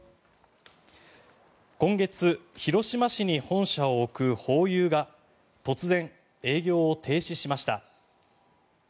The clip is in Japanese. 今月、広島市に本社を置くホーユーが突然、営業を停止しました。